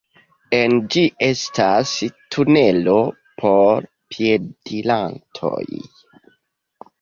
En ĝi estas tunelo por piedirantoj.